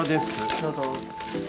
どうぞ。